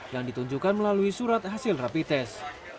yang ditunjukkan melalui surat hasil rapi tes